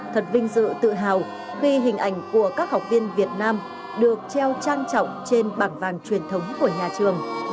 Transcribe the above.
thật vinh dự tự hào khi hình ảnh của các học viên việt nam được treo trang trọng trên bảng vàng truyền thống của nhà trường